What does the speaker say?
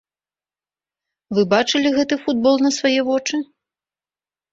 Вы бачылі гэты футбол на свае вочы?